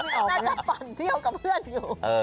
น่าจะปั่นเที่ยวกับเพื่อนอยู่